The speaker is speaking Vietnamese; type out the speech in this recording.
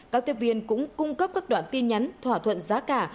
các tiếp viên cũng cung cấp các đoạn tin nhắn thỏa thuận giá cả